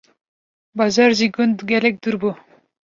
bajar jî ji gund gelek dûr bû.